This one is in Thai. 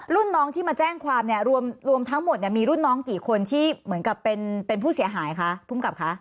รุ่นน้องที่มาแจ้งความเนี่ยรวมทั้งหมดเนี่ยมีรุ่นน้องกี่คนที่เหมือนกับเป็นผู้เสียหายคะภูมิกับคะ